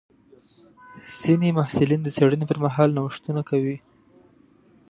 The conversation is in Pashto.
ځینې محصلین د څېړنې پر مهال نوښتونه کوي.